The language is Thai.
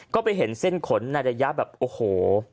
ก็ไปเห็นเส้นขนในระยะแบบโอ้โห